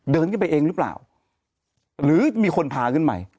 เดินขึ้นไปเองหรือเปล่าหรือมีคนพาขึ้นไป